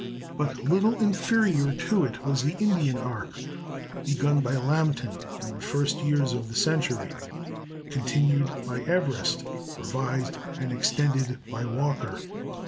But little inferior to it was the Indian arc, begun by Lambton in the first years of the century, continued by Everest, revised and extended by Walker.